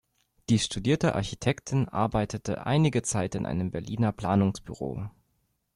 Die studierte Architektin arbeitete einige Zeit in einem Berliner Planungsbüro.